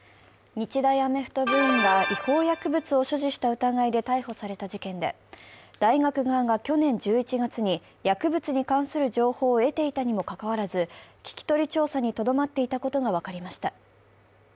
日大アメフト部員が違法薬物を所持した疑いで逮捕された事件で、大学側が去年１１月に薬物に関する情報を得ていたにもかかわらず、聞き取り調査にとどまっていたことが分かりました。